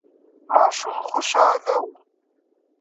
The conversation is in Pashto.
ماشوم خوشاله و.